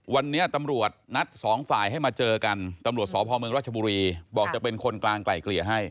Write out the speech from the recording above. วันนี้ตำรวจนัดสองฝ่ายให้มาเจอกันตำรวจสพเมืองรัชบุรีบอกจะเป็นคนกลางไกล่เกลี่ยให้